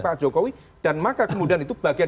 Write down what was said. pak jokowi dan maka kemudian itu bagian